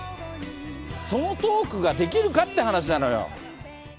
そのトークができるかって話なのよ。